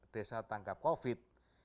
desa tangkap covid